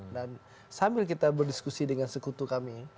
dan sambil kita berdiskusi dengan sekutu kami